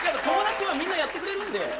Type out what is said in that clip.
友達はみんなやってくれるんで。